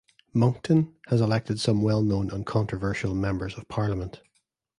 Moncton has elected some well-known and controversial Members of Parliament.